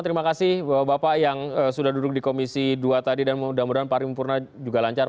terima kasih bapak bapak yang sudah duduk di komisi dua tadi dan mudah mudahan paripurna juga lancar